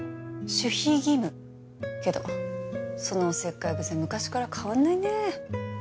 守秘義務けどそのお節介癖昔から変わんないね